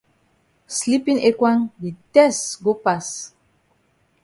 Sleepin ekwang di tess go pass.